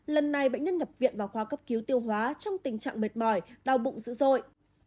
lần này bệnh nhân nhập viện vào khoa cấp cứu tiêu hóa trong tình trạng mệt mỏi đau bụng dữ dội